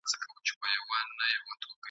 تل د خير په کارونو کي برخه واخلئ.